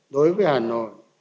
đối với hà nội